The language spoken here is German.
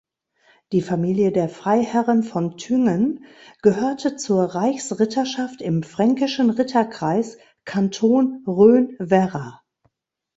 Die Familie der Freiherren von Thüngen gehörte zur Reichsritterschaft im Fränkischen Ritterkreis, Kanton Rhön-Werra.